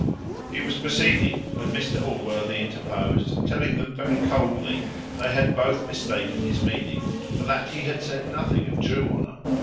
He was proceeding when Mr Allworthy interposed, telling them very coldly, they had both mistaken his meaning; for that he had said nothing of true honour.